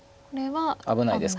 危ないですか？